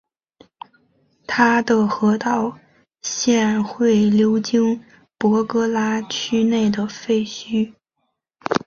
它的河道现会流经博格拉区内的废墟。